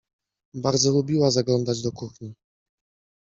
Bardzo lubiła zaglądać do kuchni.